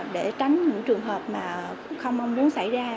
để tránh những trường hợp mà không mong muốn xảy ra